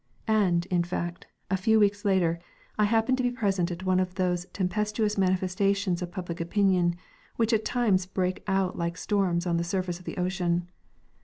And, in fact, a few weeks later, I happened to be present at one of those tempestuous manifestations of public opinion which at times break out like storms on the surface of the ocean.